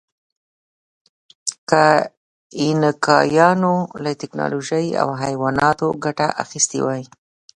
که اینکایانو له ټکنالوژۍ او حیواناتو ګټه اخیستې وای.